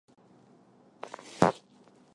独立日是印度的国定假日。